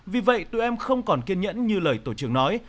vì vậy tụi em không còn kiên nhẫn như lời tổ trưởng nói